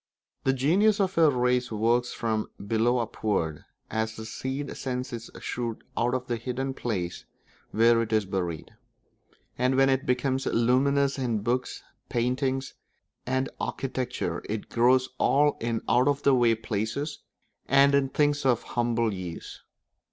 The genius of a race works from below upward, as the seed sends its shoot out of the hidden place where it is buried; and when it becomes luminous in books, painting, and architecture, it grows also in out of the way places and in things of humble use.